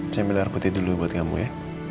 saya ambil air putih dulu buat kamu ya